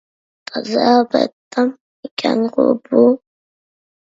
تازا بەتتام ئىكەنغۇ بۇ.